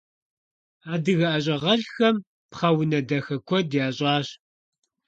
Адыгэ ӀэщӀагъэлӀхэм пхъэ унэ дахэ куэд ящӀащ.